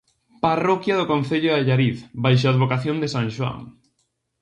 Parroquia do concello de Allariz baixo a advocación de san Xoán.